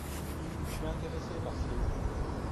Je suis intéressé par ce livre.